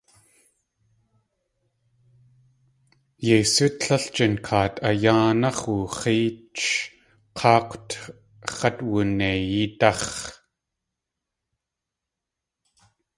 Yeisú tlél jinkaat a yáanáx̲ woox̲éeych k̲áak̲wt x̲at wuneiyídáx̲.